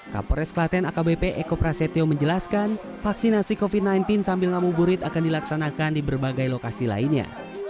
kapolres klaten akbp eko prasetyo menjelaskan vaksinasi covid sembilan belas sambil ngamu burit akan dilaksanakan di berbagai lokasi lainnya